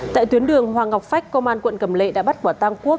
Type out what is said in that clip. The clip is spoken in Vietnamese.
tại tuyến đường hoàng ngọc phách công an quận cầm lệ đã bắt bỏ tăng quốc